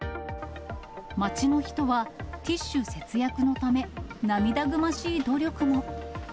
街の人は、ティッシュ節約のため、涙ぐましい努力も。